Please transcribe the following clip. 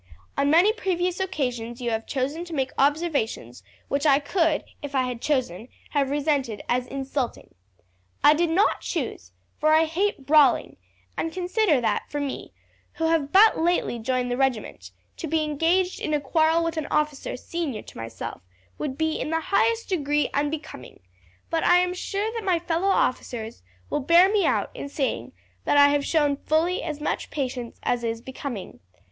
On many previous occasions you have chosen to make observations which I could, if I had chosen, have resented as insulting. I did not choose, for I hate brawling, and consider that for me, who have but lately joined the regiment, to be engaged in a quarrel with an officer senior to myself would be in the highest degree unbecoming; but I am sure that my fellow officers will bear me out in saying that I have shown fully as much patience as is becoming.